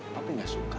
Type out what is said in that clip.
papi gak suka